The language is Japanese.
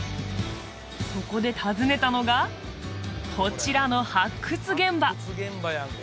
そこで訪ねたのがこちらの発掘現場